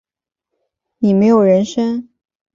你没有人生